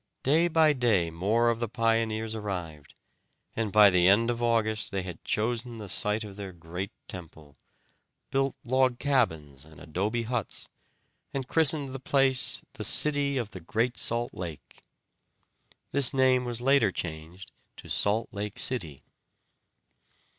Day by day more of the pioneers arrived, and by the end of August they had chosen the site of their great temple, built log cabins and adobe huts, and christened the place the "City of the Great Salt Lake." This name was later changed to Salt Lake City.